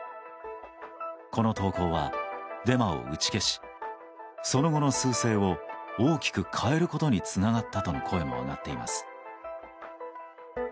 この投稿はデマを打ち消しその後の趨勢を大きく変えることにつながったとの声も上がっています。